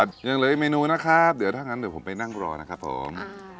ยังเหลืออีกเมนูนะครับเดี๋ยวถ้างั้นเดี๋ยวผมไปนั่งรอนะครับผม